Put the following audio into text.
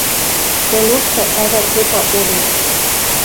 Тӹ лошты ӓвӓ попа олен: